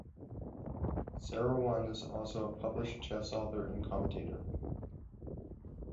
Seirawan is also a published chess author and commentator.